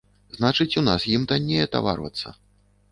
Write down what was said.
Значыць, у нас ім танней атаварвацца.